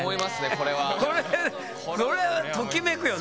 これこれはときめくよね。